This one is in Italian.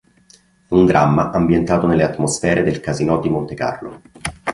È un dramma ambientato nelle atmosfere del casinò di Montecarlo.